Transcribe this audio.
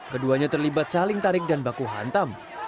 keduanya terlibat saling tarik dan baku hantam